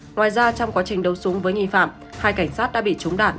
ngoài ra trong quá trình đấu súng với nghi phạm hai cảnh sát đã bị trúng đạn